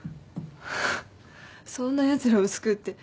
そんなやつらを救うって。